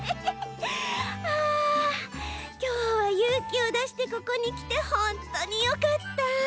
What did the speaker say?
あきょうはゆうきをだしてここにきてほんとうによかった！